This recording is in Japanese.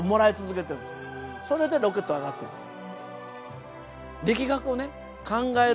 それでロケットは上がってるんです。